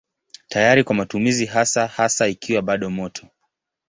Tayari kwa matumizi hasa hasa ikiwa bado moto.